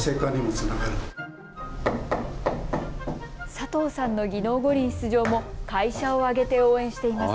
佐藤さんの技能五輪出場も会社を挙げて応援しています。